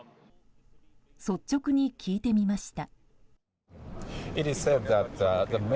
率直に聞いてみました。